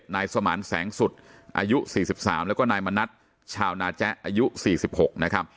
นายสมานแสงสุดอายุ๔๓แล้วก็นายมณัฐชาวนาแจ๊อายุ๔๖นะครับ